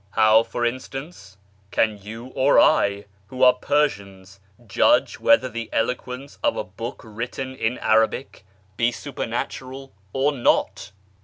How, for instance, can you or I, who are *ersians, judge whether the eloquence of a book written in Lrabic be supernatural or not